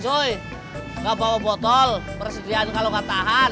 cuy gak bawa botol persediaan kalau gak tahan